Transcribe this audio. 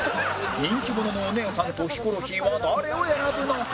人気者のお姉さんとヒコロヒーは誰を選ぶのか？